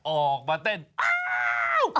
ออกมาเต้นอ้าว